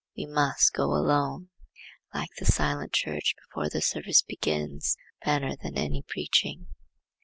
We must go alone. I like the silent church before the service begins, better than any preaching.